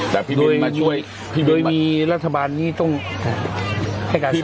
แต่พี่บินมาช่วยโดยมีรัฐบาลนี้ต้องให้การสามารถ